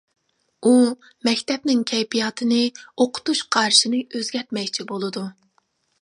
ئۇ مەكتەپنىڭ كەيپىياتىنى، ئوقۇتۇش قارىشىنى ئۆزگەرتمەكچى بولىدۇ.